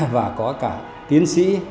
và có cả tiến sĩ